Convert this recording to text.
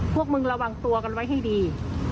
พวกมึงระวังตัวกันไว้ให้ดี